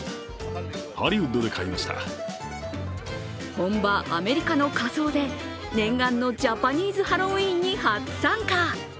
本場アメリカの仮装で念願のジャパニーズハロウィーンに初参加。